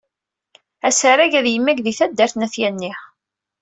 Asarag ad yemmag di taddart n At Yanni.